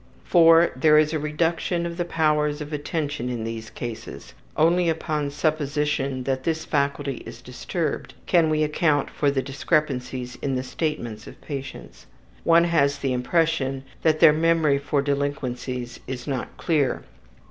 4. There is a reduction of the powers of attention in these cases; only upon supposition that this faculty is disturbed can we account for the discrepancies in the statements of patients. One has the impression that their memory for their delinquencies is not clear.